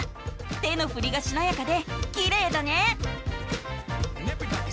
手のふりがしなやかできれいだね。